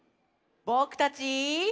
ぼくたち。